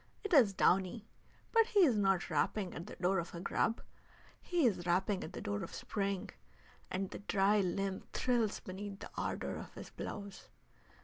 It is downy, but he is not rapping at the door of a grub; he is rapping at the door of spring, and the dry limb thrills beneath the ardor of his blows.